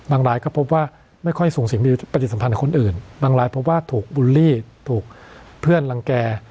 รายก็พบว่าไม่ค่อยสูงเสียงมีปฏิสัมพันธ์กับคนอื่นบางรายเพราะว่าถูกบูลลี่ถูกเพื่อนรังแก่